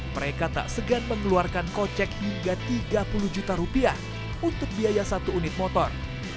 mereka tak segan mengeluarkan kocek hingga tiga puluh juta rupiah untuk biaya satu unit motor